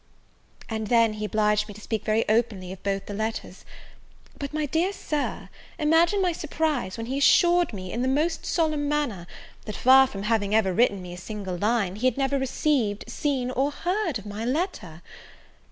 And then, he obliged me to speak very openly of both the letters: but, my dear Sir, imagine my surprise, when he assured me, in the most solemn manner, that, far from having ever written me a single line, he had never received, seen, or heard of my letter!